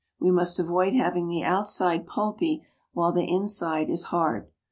We must avoid having the outside pulpy while the inside is hard.